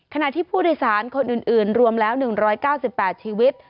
ขณะที่ผู้โดยสารคนอื่นรวมแล้ว๑๙๘ชีวิต